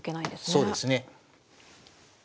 そうですね。